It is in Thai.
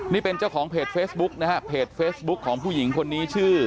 นี่เป็นเจ้าของเพจเฟซบุ๊กนะฮะเพจเฟซบุ๊คของผู้หญิงคนนี้ชื่อ